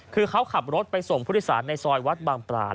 คือเขาขับรถไปส่งพุทธศาสตร์ในซอยวัดบางปราณ